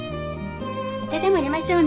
お茶でもいれましょうね。